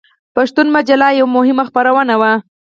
پښتون مجله یوه مهمه خپرونه وه.